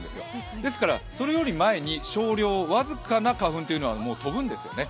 ですから、それより前に少量、僅かな花粉はもう飛ぶんですよね。